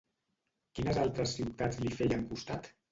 Quines altres ciutats li feien costat?